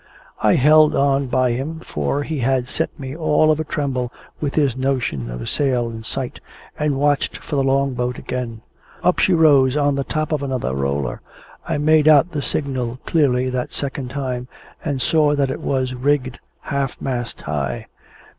I held on by him, for he had set me all of a tremble with his notion of a sail in sight, and watched for the Long boat again. Up she rose on the top of another roller. I made out the signal clearly, that second time, and saw that it was rigged half mast high.